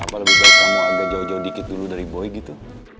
apa lebih baik kamu agak jauh jauh dikit dulu dari boy gitu